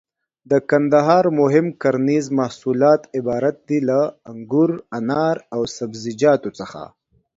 د کندهار مهم کرنيز محصولات عبارت دي له: انګور، انار او سبزيجاتو څخه.